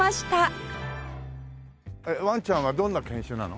ワンちゃんはどんな犬種なの？